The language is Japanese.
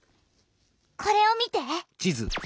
これを見て！